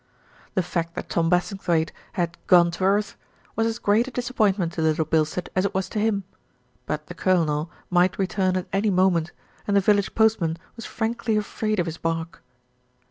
The fact that Tom Bassingthwaighte had "gone to earth" was as great a disappointment to Little Bil stead as it was to him; but the Colonel might return at any moment, and the village postman was frankly afraid of his bark.